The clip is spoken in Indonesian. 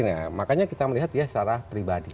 ya makanya kita melihat ya secara pribadi